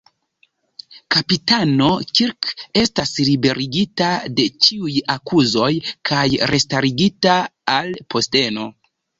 Kapitano Kirk estas liberigita de ĉiuj akuzoj kaj restarigita al posteno.